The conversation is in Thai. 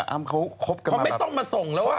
แต่ว่าแมวส์กับอ๊ามก็ไม่ต้องมาส่งแล้วอะ